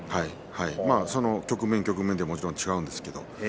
局面局面でもちろん違うと思うんですけどね。